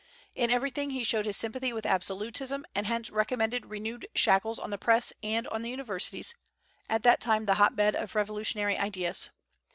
In everything he showed his sympathy with absolutism, and hence recommended renewed shackles on the Press and on the universities, at that time the hotbed of revolutionary ideas.